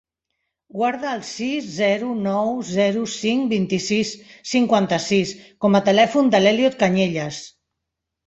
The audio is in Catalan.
Guarda el sis, zero, nou, zero, cinc, vint-i-sis, cinquanta-sis com a telèfon de l'Elliot Cañellas.